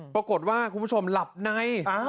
ปรากฏว่าคุณผู้ชมหลับใน